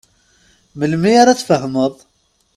Melmi ara tfehmeḍ?